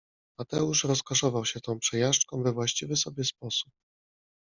Mateusz rozkoszował się tą przejażdżką we właściwy sobie sposób.